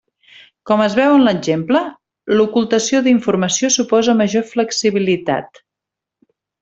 Com es veu en l'exemple, l'ocultació d'informació suposa major flexibilitat.